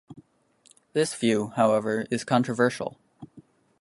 This view, however, is controversial.